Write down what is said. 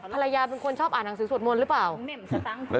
ภรรยาเป็นคนอ่านหนังสือสวดม่นหรือน่ะ